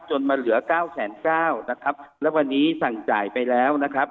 มาเหลือเก้าแสนเก้านะครับและวันนี้สั่งจ่ายไปแล้วนะครับ